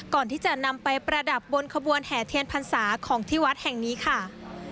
ก่อนที่จะนำไปประดับบนขบวนแห่เทียนพรรษาของที่วัดแห่งนี้ค่ะ